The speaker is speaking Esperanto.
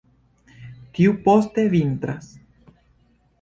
Tuj poste vintras.